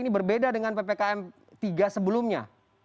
ini berbeda dengan ppkm tiga sebelumnya